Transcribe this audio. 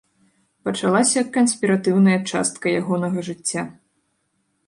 Пачалася канспіратыўная частка ягонага жыцця.